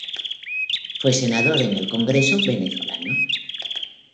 Fue senador en el Congreso venezolano.